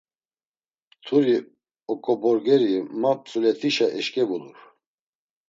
Mturi oǩoborgeri, ma Msuletişe eşǩevulur.